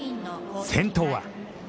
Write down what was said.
先頭は。